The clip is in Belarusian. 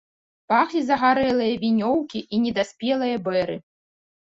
Пахлі загарэлыя вінёўкі і недаспелыя бэры.